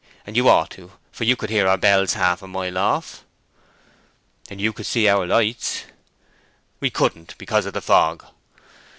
And you ought to, for you could hear our bells half a mile off." "And you could see our lights." "We couldn't, because of the fog."